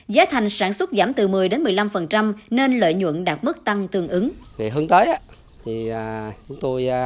giá thành sản xuất giảm từ một mươi một mươi năm nên lợi nhuận đạt mức tăng tương ứng